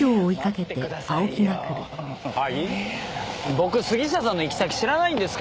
僕杉下さんの行き先知らないんですから。